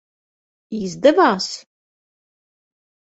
Izdevās?